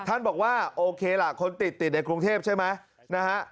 ท่านบอกว่าโอเคล่ะคนติดติดในกรุงเทพใช่ไหมนะฮะ